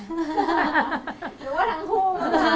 หรือว่าทั้งคู่